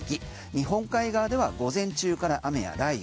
日本海側では午前中から雨や雷雨。